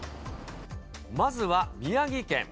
まずは宮城県。